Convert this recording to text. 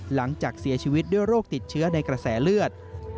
หลังจากเสียชีวิตด้วยโรคติดเชื้อในกระแสเลือด